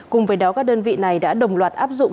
cùng với đó các đơn vị này đã đồng loạt áp dụng